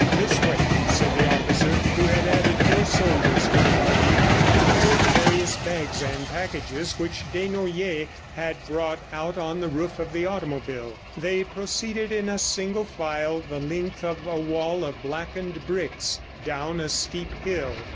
"This way," said the officer who had added four soldiers to the party to carry the various bags and packages which Desnoyers had brought out on the roof of the automobile. They proceeded in a single file the length of a wall of blackened bricks, down a steep hill.